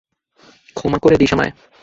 ক্ষমা করে দিস আমায়।